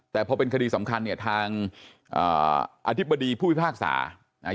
แต่พอเป็นคดีสำคัญทางอธิบดีผู้วิภาคศาสตร์